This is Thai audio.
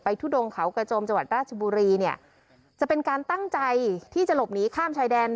ทุดงเขากระโจมจังหวัดราชบุรีเนี่ยจะเป็นการตั้งใจที่จะหลบหนีข้ามชายแดน